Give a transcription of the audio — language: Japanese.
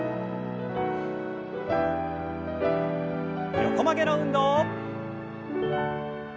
横曲げの運動。